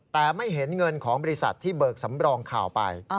แต่ไม่เห็นเงินของบริษัทที่เบิกสำรองข่าวไป